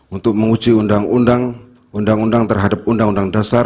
untuk menguji undang undang undang terhadap undang undang dasar